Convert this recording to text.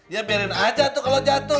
ya biarin aja tuh kalau jatuh